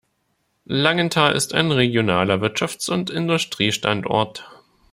Langenthal ist ein regionaler Wirtschafts- und Industriestandort.